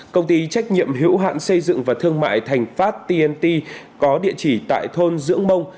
công ty trách nhiệm hữu hạn xây dựng và thương mại thành pháp tnt có địa chỉ tại thôn dưỡng mông